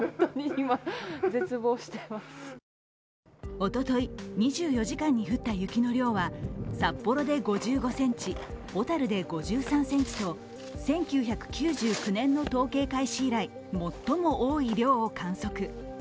おととい、２４時間に降った雪の量は札幌で５５ｃｍ、小樽で５３ｃｍと１９９９年の統計開始以来最も多い量を観測。